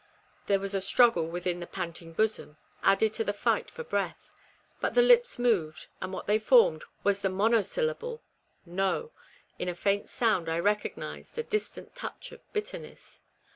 " There was a struggle within the panting bosom, added to the fight for breath, but the lips moved, and what they formed was the monosyllable " No ;" in the faint sound I recognized a distant touch of bitterness.